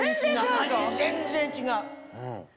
味全然違う！